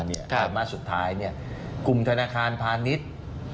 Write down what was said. ไตรมาสสุดท้ายกลุ่มธนาคารพาณิชย์